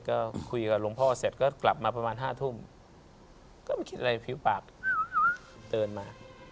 ก็คุยกับหลวงพ่อเสร็จก็กลับมาประมาณ๕ทุ่มก็ไม่คิดอะไรฟิวปากตื่นมา